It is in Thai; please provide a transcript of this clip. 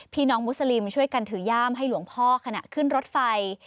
มุสลิมช่วยกันถือย่ามให้หลวงพ่อขณะขึ้นรถไฟ